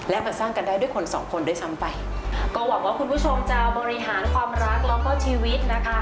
และมาสร้างกันได้ด้วยคนสองคนด้วยซ้ำไปก็หวังว่าคุณผู้ชมจะบริหารความรักแล้วก็ชีวิตนะคะ